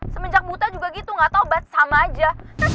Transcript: semenjak buta juga gitu gak tau but sama aja